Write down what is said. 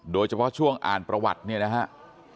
โดยเฉพาะช่วงอ่านประวัติเนี่ยนะครับ